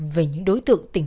về những đối tượng tỉnh bộ